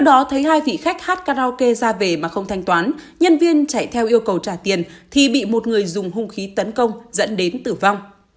khi khách hát karaoke ra về mà không thanh toán nhân viên chạy theo yêu cầu trả tiền thì bị một người dùng hung khí tấn công dẫn đến tử vong